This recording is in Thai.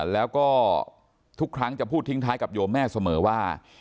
แล้วก็ทุกครั้งจะพูดทิ้งท้ายกับโยมแม่เสมอว่า